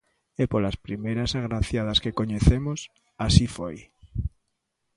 E polas primeiras agraciadas que coñecemos, así foi.